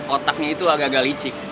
otaknya itu agak agak licik